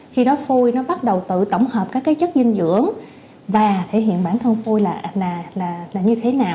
khi đó phôi nó bắt đầu tự tổng hợp các chất dinh dưỡng và thể hiện bản thân